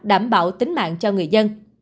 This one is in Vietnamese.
đảm bảo tính mạng cho người dân